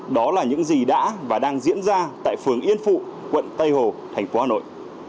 đó là những gì đã và đang diễn ra tại phường yên phụ quận tây hồ thành phố hà nội